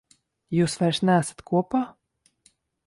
Jūs vairs neesat kopā?